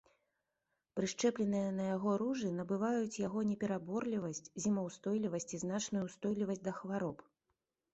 Прышчэпленыя на яго ружы набываюць яго непераборлівасць, зімаўстойлівасць і значную ўстойлівасць да хвароб.